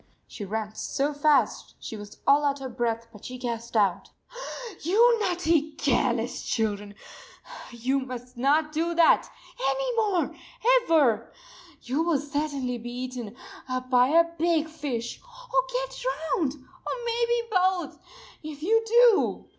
She ran so fast she was all out of breath, but she gasped out: "You naughty, care less children ! You must not do that any more ever! You will certainly be eaten up by a big fish or get drowned or maybe both if you do!"